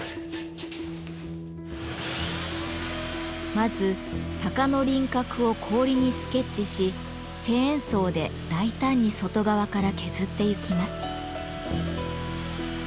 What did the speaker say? まず鷹の輪郭を氷にスケッチしチェーンソーで大胆に外側から削ってゆきます。